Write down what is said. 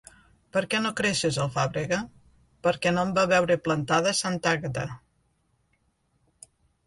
Per què no creixes, alfàbrega? —Perquè no em va veure plantada Santa Àgata.